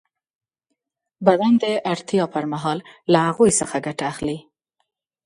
بدن د اړتیا پر مهال له هغوی څخه ګټه اخلي.